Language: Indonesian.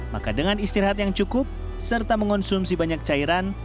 maka dengan istirahat yang cukup serta mengonsumsi banyak cairan